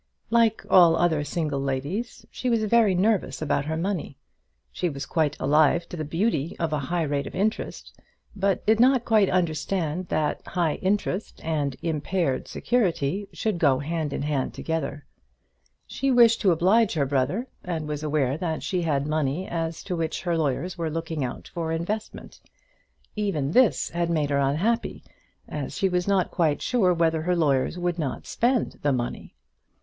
Like all other single ladies, she was very nervous about her money. She was quite alive to the beauty of a high rate of interest, but did not quite understand that high interest and impaired security should go hand in hand together. She wished to oblige her brother, and was aware that she had money as to which her lawyers were looking out for an investment. Even this had made her unhappy, as she was not quite sure whether her lawyers would not spend the money.